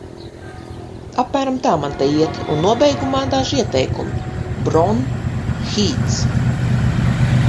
Apmēram tā man te iet, un nobeigumā – daži ieteikumi:Bron-Hīts.